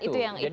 bisa jadi begitu